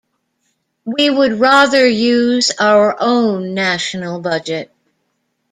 We would rather use our own national budget.